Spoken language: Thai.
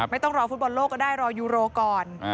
ไม่ต้องรอฟุตบอลโลกก็ได้รอยูโรก่อน